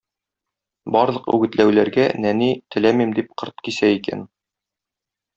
Барлык үгетләүләргә нәни "теләмим" дип кырт кисә икән.